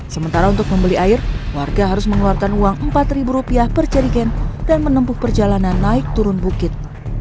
sementara untuk membeli air warga harus mengeluarkan uang rp empat per cerigen dan menempuh perjalanan naik turun bukit